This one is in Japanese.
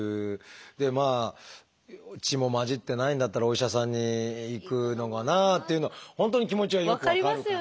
でまあ血も混じってないんだったらお医者さんに行くのはなっていうのは本当に気持ちはよく分かるから。